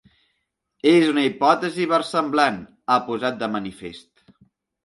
És una hipòtesi versemblant, ha posat de manifest.